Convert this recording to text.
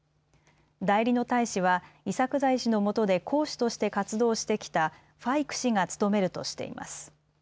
代理の大使は、イサクザイ氏のもとで公使として活動してきたファイク氏が務めるとしています。